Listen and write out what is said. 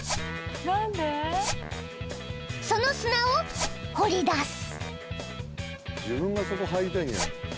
［その砂を掘り出す］